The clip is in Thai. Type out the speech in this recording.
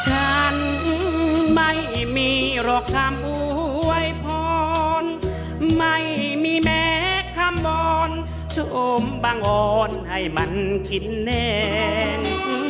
ฉันไม่มีหรอกคำอวยพรไม่มีแม้คำมอนชะอมบังอ่อนให้มันกินแนน